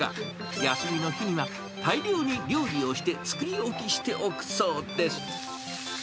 休みの日には大量に料理をして、作り置きしておくそうです。